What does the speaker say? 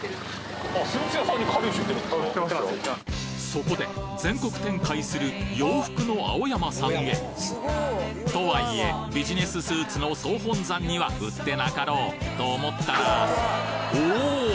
そこで全国展開する洋服の青山さんへとはいえビジネススーツの総本山には売って無かろうと思ったらおお！？